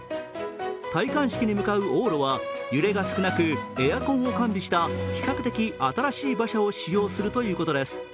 戴冠式に向かう往路は揺れが少なく、エアコンを完備した比較的新しい馬車を使用するということです。